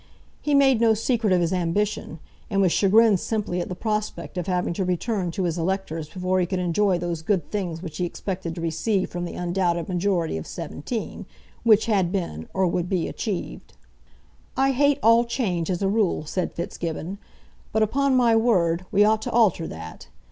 He made no secret of his ambition, and was chagrined simply at the prospect of having to return to his electors before he could enjoy those good things which he expected to receive from the undoubted majority of seventeen, which had been, or would be, achieved. "I hate all change as a rule," said Fitzgibbon; "but, upon my word, we ought to alter that.